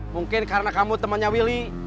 mungkin karena kamu temannya willy